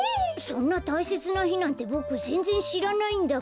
そんなたいせつなひなんてボクぜんぜんしらないんだけど。